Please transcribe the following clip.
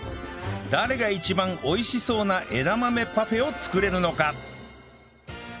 誰が一番美味しそうな枝豆パフェを作れるのか？